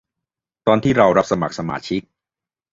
ตอนที่เราสมัครสมาชิก